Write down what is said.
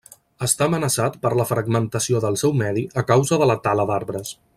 Està amenaçat per la fragmentació del seu medi a causa de la tala d'arbres.